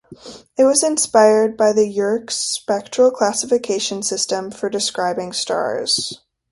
It was inspired by the Yerkes spectral classification system for describing stars.